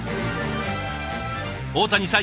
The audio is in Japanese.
大谷さん